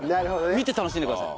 見て楽しんでください。